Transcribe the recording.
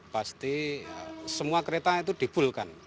pasti semua kereta itu dibulkan